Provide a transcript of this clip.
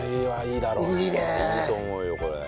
いいと思うよこれ。